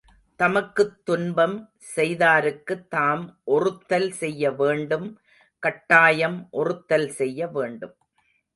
தமக்குத் துன்பம் செய்தாருக்குத் தாம் ஒறுத்தல் செய்ய வேண்டும் கட்டாயம் ஒறுத்தல் செய்ய வேண்டும்.